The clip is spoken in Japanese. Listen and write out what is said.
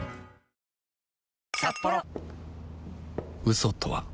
嘘とは